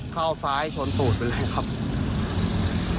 เข้าซ้ายชนตูดเป็นไรครับครับผม